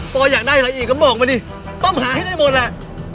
พออยากได้อะไรอีกก็บอกมาดิต้องหาให้ได้หมดแหละ